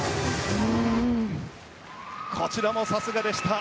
こちらもさすがでした。